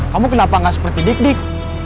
kamu kenapa gak seperti dik dik